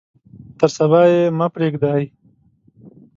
تر صبا یې مه پریږدئ.